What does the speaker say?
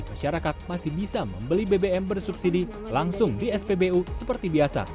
masyarakat masih bisa membeli bbm bersubsidi langsung di spbu seperti biasa